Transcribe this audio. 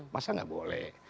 masa gak boleh